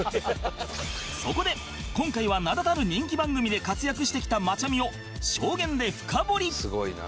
そこで今回は名だたる人気番組で活躍してきたマチャミを証言で深掘り！